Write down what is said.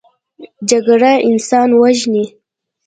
جګړه انسان وژني